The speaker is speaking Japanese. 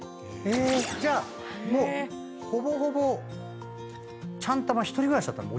じゃあもうほぼほぼちゃんたま一人暮らしだったの？